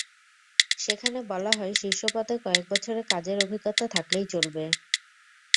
সেখানে বলা হয়, শীর্ষ পদে কয়েক বছরের কাজের অভিজ্ঞতা থাকলেই চলবে।